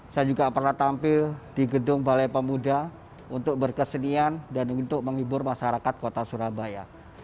saya juga pernah tampil di gedung balai pemuda untuk berkesenian dan untuk menghibur masyarakat kota surabaya